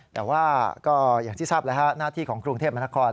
แต่ว่าก็อย่างที่ทราบแล้วหน้าที่ของกรุงเทพมนคร